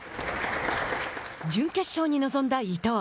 準決勝に臨んだ伊藤。